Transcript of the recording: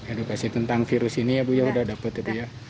edukasi tentang virus ini ya bu ya sudah dapat ya bu ya